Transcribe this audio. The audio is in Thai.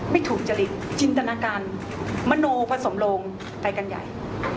ไม่ถูกจริตจินตนาการมโนผสมลงไปกันใหญ่